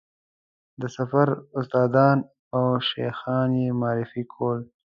د سفر استادان او شیخان یې معرفي کول.